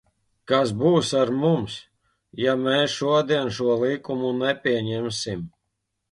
Kas būs ar mums, ja mēs šodien šo likumu nepieņemsim?